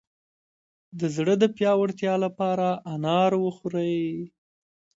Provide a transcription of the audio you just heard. د زړه د پیاوړتیا لپاره انار وخورئ